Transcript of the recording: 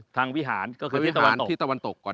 ทางวิหารที่ตะวันตก